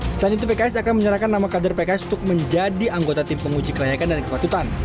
selain itu pks akan menyerahkan nama kader pks untuk menjadi anggota tim penguji kelayakan dan kepatutan